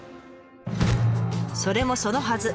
それもそのはず。